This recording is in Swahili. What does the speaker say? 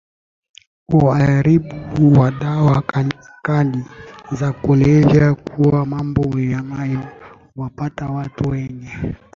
uraibu wa dawa kali za kulevya kuwa mambo yanayowapata watu wenye